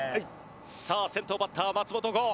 さあ先頭バッター松本剛。